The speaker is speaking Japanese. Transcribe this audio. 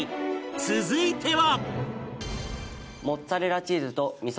続いては